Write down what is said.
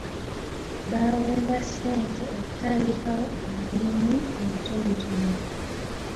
Baaweebwa ssente okutandikawo obulimu obutonotono.